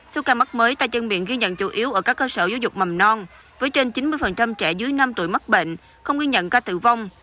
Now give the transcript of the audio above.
số ca mắc mới tay chân miệng ghi nhận chủ yếu ở các cơ sở giáo dục mầm non với trên chín mươi trẻ dưới năm tuổi mắc bệnh không ghi nhận ca tử vong